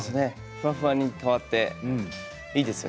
ふわふわに変わっていいですよ。